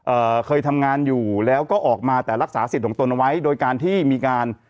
เคยทำงานอยู่แล้วก็ออกมาแต่รักษาสิทธิ์ของตนเอาไว้โดยการที่มีงาน